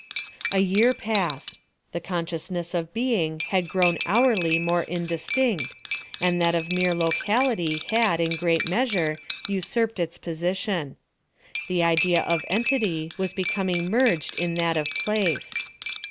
A year passed. The consciousness of being had grown hourly more indistinct, and that of mere locality had, in great measure, usurped its position. The idea of entity was becoming merged in that of place.